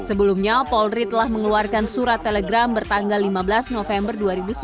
sebelumnya polri telah mengeluarkan surat telegram bertanggal lima belas november dua ribu sembilan belas